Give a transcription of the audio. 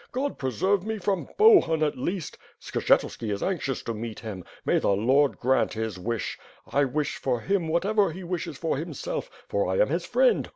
God preserve me from Bohun at least! Skshetuski is anxious to meet him. May the Lord grant his wish! I wish for him whatever he wishes for himself, for I am his friend.